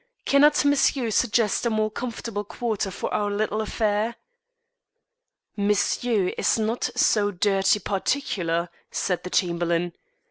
Cannot monsieur suggest a more comfortable quarter for our little affair?" "Monsieur is not so dirty particular," said the Chamberlain.